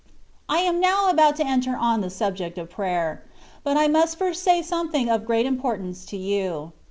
I AM now about to enter on the subject of prayer; but I must first say something of great importance to you.